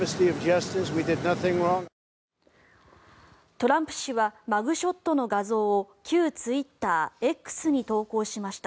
トランプ氏はマグショットの画像を旧ツイッター、Ｘに投稿しました。